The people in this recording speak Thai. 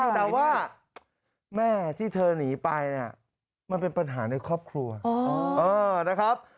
แต่ว่าแม่ที่เธอหนีไปเนี่ยมันเป็นปัญหาในครอบครัวนะครับ